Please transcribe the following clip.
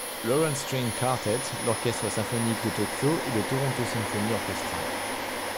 Lawrence String Quartet, l’Orchestre symphonique de Tokyo et le Toronto Symphony Orchestra.